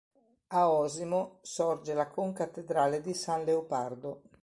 A Osimo sorge la concattedrale di San Leopardo.